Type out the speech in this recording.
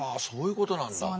そういうことなんだ。